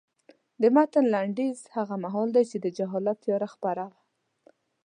د متن لنډیز هغه مهال دی چې د جهالت تیاره خپره وه.